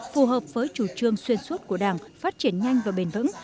phù hợp với chủ trương xuyên suốt của đảng phát triển nhanh và bền vững